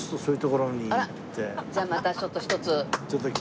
じゃあまたちょっと一つ。